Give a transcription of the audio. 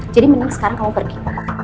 jadi mending sekarang kamu pergi